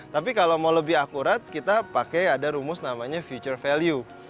tapi kalau mau lebih akurat kita pakai ada rumus namanya future value